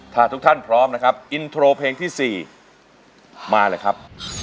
ถ้าทุกท่านพร้อมนะครับอินโทรเพลงที่๔มาเลยครับ